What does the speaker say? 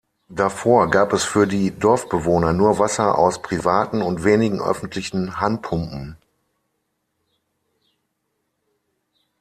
Davor gab es für die Dorfbewohner nur Wasser aus privaten und wenigen öffentlichen Handpumpen.